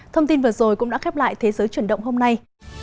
thông tin vừa rồi cũng đã khép lại thế giới chuyển động hôm nay